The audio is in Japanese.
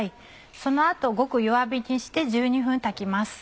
その後ごく弱火にして１２分炊きます。